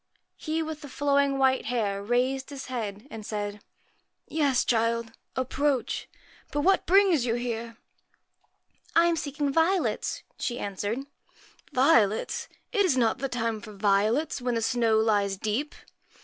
He with the flowing white hair raised his head, and said 'Yes, child, approach. But what brings you here ?'' I am seeking violets,' she answered. 1 Violets ! It is not the time for violets, when the snow lies deep